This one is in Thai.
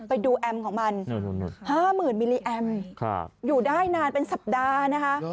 แอมของมัน๕๐๐๐มิลลิแอมอยู่ได้นานเป็นสัปดาห์นะคะ